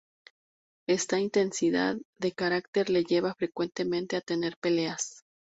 Esta intensidad de carácter le llevaba frecuentemente a tener peleas.